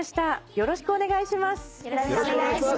よろしくお願いします。